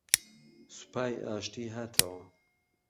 سوپای ئاشتی هاتەوە